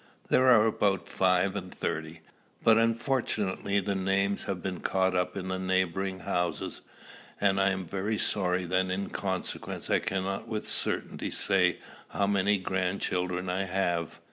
They are about five and thirty; but unfortunately the name has been caught up in the neighboring houses, and I am very sorry that in consequence I cannot with certainty say how many grandchildren I have.